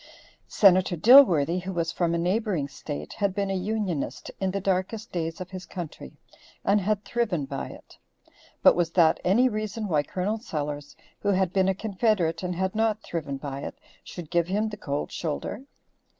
Senator Dilworthy, who was from a neighboring state, had been a Unionist in the darkest days of his country, and had thriven by it, but was that any reason why Col. Sellers, who had been a confederate and had not thriven by it, should give him the cold shoulder?